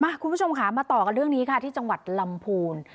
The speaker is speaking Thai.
คุณผู้ชมค่ะมาต่อกันเรื่องนี้ค่ะที่จังหวัดลำพูน